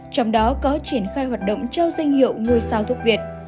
trong đó có triển khai hoạt động trao danh hiệu ngôi sao thuốc việt